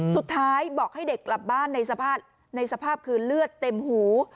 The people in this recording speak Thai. สุดท้ายบอกให้เด็กกลับบ้านในสภาพคือเลือดเต็มหู